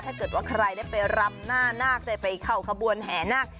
ถ้าเกิดว่าใครได้ไปรำหน้านาคได้ไปเข้าขบวนแห่นาค